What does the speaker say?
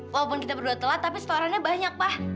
walaupun kita berdua telat tapi setelahnya banyak pa